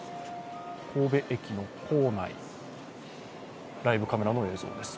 神戸駅の構内、ライブカメラの映像です。